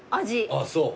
あっそう。